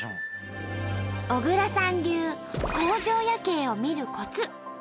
小倉さん流工場夜景を見るコツ。